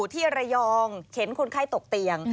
ที่ระยองเข็นคนไข้ตกเตียง